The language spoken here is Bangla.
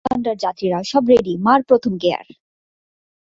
চল বালওনডার যাত্রীরা সব রেডি মার প্রথম গেয়ার!